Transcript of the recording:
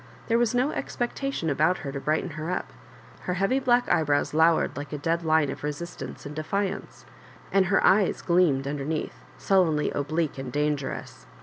There was no expectation about her to brighten her up. Her heavy black eyebrows lowered like a dead line of resistance and defiance, and her eyes gleamed underneath sullenly oblique and dangerous.